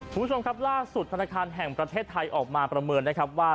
คุณผู้ชมครับล่าสุดธนาคารแห่งประเทศไทยออกมาประเมินนะครับว่า